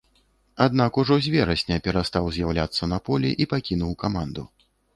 Аднак, ужо з верасня перастаў з'яўляцца на полі і пакінуў каманду.